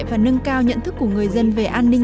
và nâng cao nhận thức của người dân về an ninh